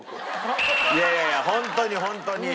いやいやホントにホントに。